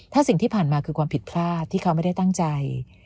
ถ้าสิ่งที่ผ่านมาคือความผิดพลาดที่เขาไม่ได้ตั้งใจ